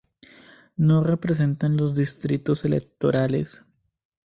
No representan los distritos electorales.